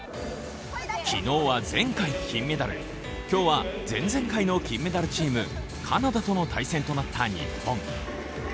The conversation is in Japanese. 昨日は前回金メダル、今日は前々回の金メダルチーム、カナダとの対戦となった日本。